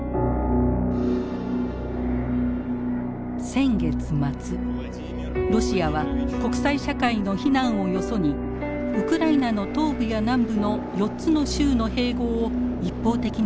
先月末ロシアは国際社会の非難をよそにウクライナの東部や南部の４つの州の併合を一方的に宣言しました。